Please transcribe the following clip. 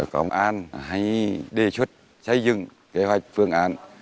công an hay đề xuất xây dựng kế hoạch phương án